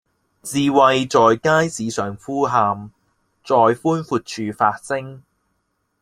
智慧在街市上呼喊，在寬闊處發聲